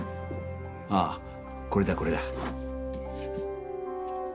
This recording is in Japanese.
ああこれだこれだ。